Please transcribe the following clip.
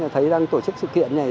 thấy đang tổ chức sự kiện này